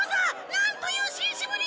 なんという紳士ぶり。